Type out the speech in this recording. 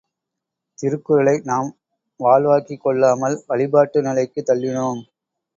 திருக்குறளை நாம் வாழ்வாக்கிக் கொள்ளாமல் வழிபாட்டு நிலைக்குத் தள்ளினோம்!